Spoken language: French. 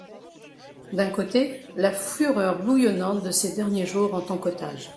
D’un côté, la fureur bouillonnante de ses derniers jours en tant qu’otage.